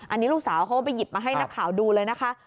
อันนี้ลูกสาวเขาก็ไปหยิบมาให้นักข่าวดูเลยนะคะ